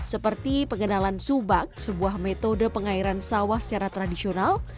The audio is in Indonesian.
seperti pengenalan subak sebuah metode pengairan sawah secara tradisional